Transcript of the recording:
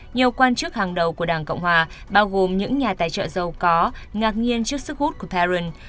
nhiều quan chức hàng đầu của đảng cộng hòa bao gồm những nhà tài trợ giàu có ngạc nhiên trước sức hút của tarin